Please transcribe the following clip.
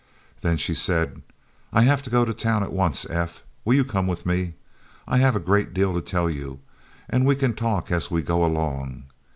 Then she said: "I have to go to town at once, F.; will you come with me? I have a great deal to tell you and we can talk as we go along.